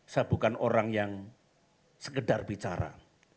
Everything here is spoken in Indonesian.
saya bukan orang yang sekedar bicara